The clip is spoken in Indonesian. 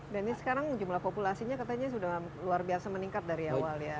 ini sekarang jumlah populasinya katanya sudah luar biasa meningkat dari awal ya